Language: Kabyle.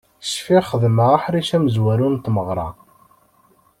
Cfiɣ xedmeɣ aḥric amezwaru n tmeɣra.